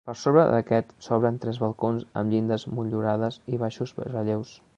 Per sobre d'aquest s'obren tres balcons amb llindes motllurades i baixos relleus.